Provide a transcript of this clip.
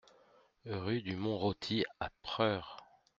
Rue du Mont Rôti à Preures